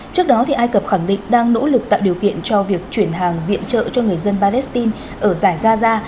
trước đó ai cập khẳng định đang nỗ lực tạo điều kiện cho việc chuyển hàng viện trợ cho người dân palestine ở giải gaza